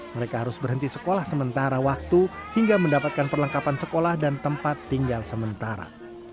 mereka harus berhenti sekolah sementara waktu hingga mendapatkan perlengkapan sekolah dan tempat tinggal sementara